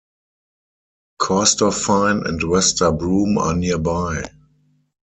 Corstorphine and Wester Broom are nearby.